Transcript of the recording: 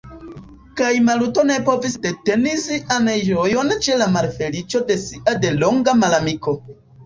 Kaj Maluto ne povis deteni sian ĝojon ĉe la malfeliĉo de sia delonga malamiko.